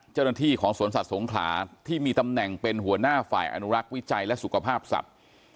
เจ้าหน้าที่ของสวนสัตว์สงขลาที่มีตำแหน่งเป็นหัวหน้าฝ่ายอนุรักษ์วิจัยและสุขภาพสัตว์